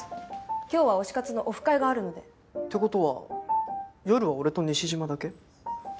今日は推し活のオフ会があるので。って事は夜は俺と西島だけ？